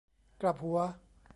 กลับหัว